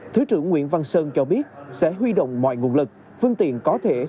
thứ trưởng nguyễn văn sơn cho biết sẽ huy động mọi nguồn lực phương tiện có thể